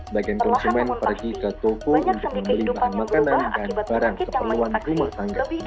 bagian konsumen pergi ke toko untuk membeli bahan makanan dan barang keperluan rumah tangga